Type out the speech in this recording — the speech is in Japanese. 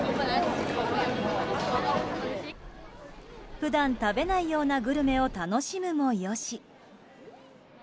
普段食べないようなグルメを楽しむもよし。